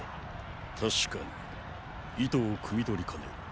確かに意図をくみ取りかねる。